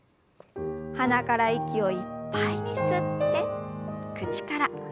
鼻から息をいっぱいに吸って口から吐きましょう。